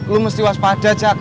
lu mesti waspada jack